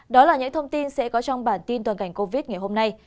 đó là những thông tin sẽ có trong bản tin toàn cảnh covid ngày hôm nay